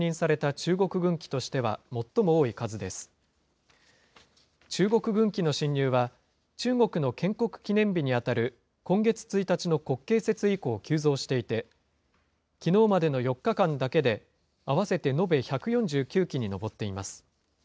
中国軍機の進入は、中国の建国記念日に当たる今月１日の国慶節以降急増していて、きのうまでの４日間だけで合わせて延べ１４９機に上っています。